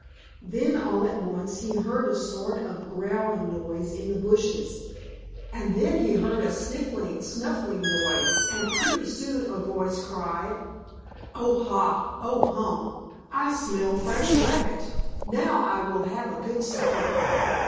Then, all at once, he heard a sort of growling noise in the bushes, and then he heard a sniffing snuffling noise, and pretty soon a voice cried: "Oh, ha! Oh, hum! I smell fresh rabbit. Now, I will have a good supper!"